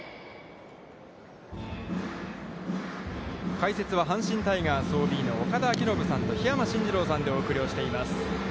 解説は阪神タイガースＯＢの岡田彰布さんと桧山進次郎さんでお送りをしています。